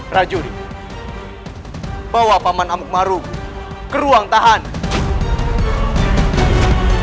raden bawa paman amuk marung ke ruang tahanan